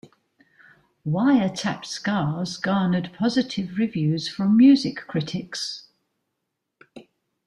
"Wiretap Scars" garnered positive reviews from music critics.